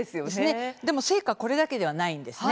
ただ成果はこれだけではないんです。